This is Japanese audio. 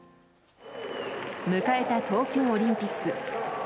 迎えた東京オリンピック。